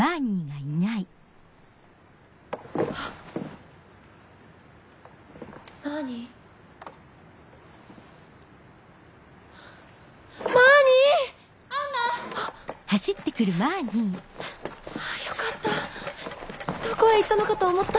・あぁよかったどこへ行ったのかと思った。